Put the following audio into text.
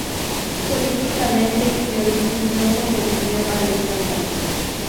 Políticamente, Giolitti no sobrevivió al escándalo.